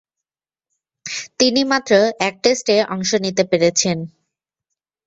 তিনি মাত্র এক টেস্টে অংশ নিতে পেরেছেন।